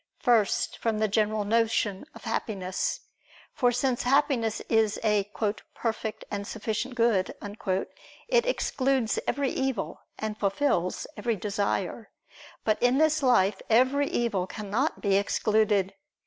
First, from the general notion of happiness. For since happiness is a "perfect and sufficient good," it excludes every evil, and fulfils every desire. But in this life every evil cannot be excluded.